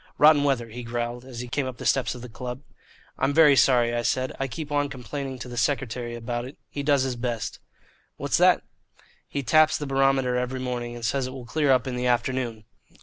"Rotten weather," he growled, as he came up the steps of the club. "I'm very sorry," I said. "I keep on complaining to the secretary about it. He does his best." "What's that?" "He taps the barometer every morning, and says it will clear up in the afternoon.